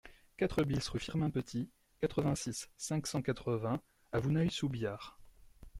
quatre BIS rue Firmin Petit, quatre-vingt-six, cinq cent quatre-vingts à Vouneuil-sous-Biard